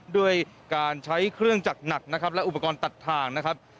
ด้วยการใช้เครื่องจักรหนักนะครับและอุปกรณ์ตัดทางนะครับ